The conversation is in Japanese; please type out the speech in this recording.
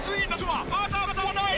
はい。